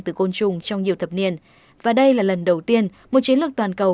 từ côn trùng trong nhiều thập niên và đây là lần đầu tiên một chiến lược toàn cầu